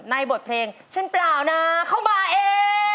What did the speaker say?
บทเพลงฉันเปล่านะเข้ามาเอง